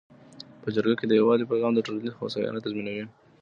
په جرګه کي د یووالي پیغام د ټولنې هوساینه تضمینوي.